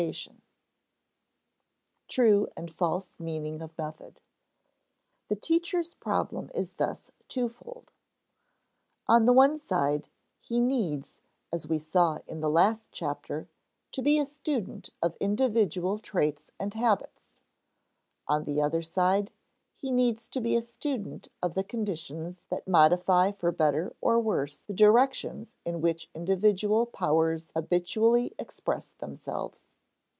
[Sidenote: True and false meaning of method] The teacher's problem is thus twofold. On the one side, he needs (as we saw in the last chapter) to be a student of individual traits and habits; on the other side, he needs to be a student of the conditions that modify for better or worse the directions in which individual powers habitually express themselves.